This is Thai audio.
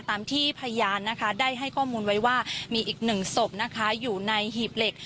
ตามที่พยานนะคะได้ให้ข้อมูลไว้ว่ามีอีกหนึ่งศพนะคะอยู่ในหีบเหล็ก